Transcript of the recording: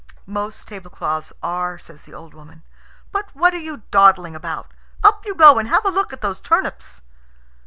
"Most tablecloths are," says the old woman. "But what are you dawdling about? Up you go and have a look at those turnips."